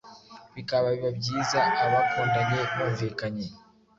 bikaba biba byiza abakundanye bumvikanye